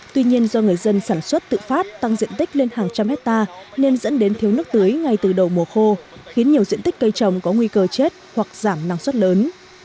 tuy nhiên do người dân sản xuất tự phát tăng diện tích lên hàng trăm hectare nên dẫn đến thiếu nước tưới ngay từ đầu mùa khô khiến nhiều diện tích cây trồng có nguy cơ chết hoặc giảm năng suất lớn